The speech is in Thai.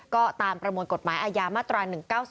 ก็ตามประมวลกฎหมายอาญามาตรา๑๙๓